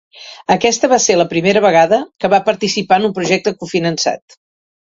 Aquesta va ser la primera vegada que va participar en un projecte cofinançat.